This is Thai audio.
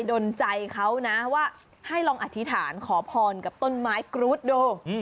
ดนใจเขานะว่าให้ลองอธิษฐานขอพรกับต้นไม้กรูดดู